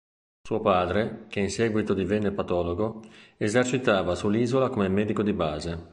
Suo padre, che in seguito divenne patologo, esercitava sull'isola come medico di base.